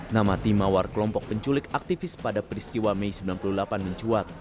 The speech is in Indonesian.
nama tim mawar kelompok penculik aktivis pada peristiwa mei sembilan puluh delapan mencuat